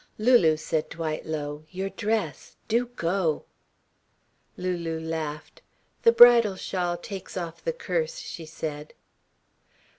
"Lulu," said Dwight low, "your dress. Do go!" Lulu laughed. "The bridal shawl takes off the curse," she said.